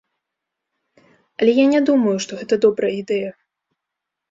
Але я не думаю, што гэта добрая ідэя.